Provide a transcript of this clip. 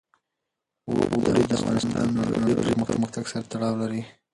اوړي د افغانستان د تکنالوژۍ پرمختګ سره تړاو لري.